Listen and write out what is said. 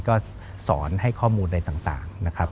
ก็สอนให้ข้อมูลอะไรต่างนะครับ